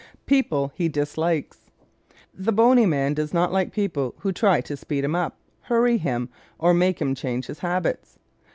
People He Dislikes ¶ The bony man does not like people who try to speed him up, hurry him, or make him change his habits.